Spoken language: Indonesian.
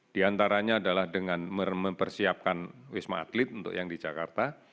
di antaranya adalah dengan mempersiapkan wisma atlet untuk yang di jakarta